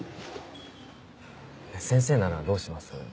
先生ならどうします？